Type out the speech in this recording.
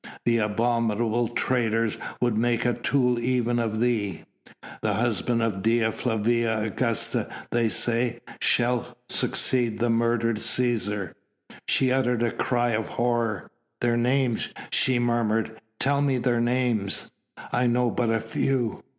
The abominable traitors would make a tool even of thee. 'The husband of Dea Flavia Augusta,' they say, 'shall succeed the murdered Cæsar!'" She uttered a cry of horror. "Their names," she murmured, "tell me their names." "I know but a few."